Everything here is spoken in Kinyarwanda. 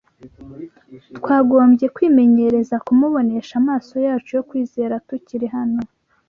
twagombye kwimenyereza kumubonesha amaso yacu yo kwizera tukiri hano